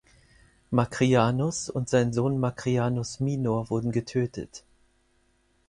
Macrianus und sein Sohn Macrianus Minor wurden getötet.